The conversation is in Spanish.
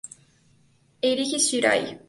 Eiji Shirai